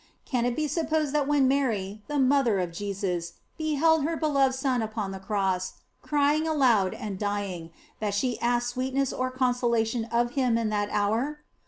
Can it be supposed that when Mary, the mother of Jesus, beheld her beloved Son upon the Cross, crying aloud and dying, that she asked sweetness or consolation of Him in that hour